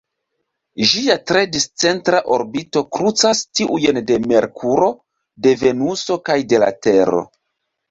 Ĝia tre discentra orbito krucas tiujn de Merkuro, de Venuso kaj de la Tero.